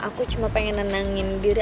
aku cuma pengen nenangin diri